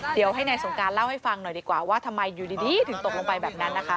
เดี๋ยวให้นายสงการเล่าให้ฟังหน่อยดีกว่าว่าทำไมอยู่ดีถึงตกลงไปแบบนั้นนะคะ